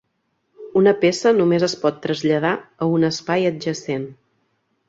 Una peça només es pot traslladar a un espai adjacent.